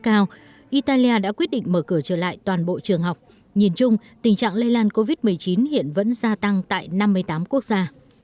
cao italia đã quyết định mở cửa trở lại toàn bộ trường học nhìn chung tình trạng lây lan covid một mươi chín hiện vẫn gia tăng tại năm mươi tám quốc gia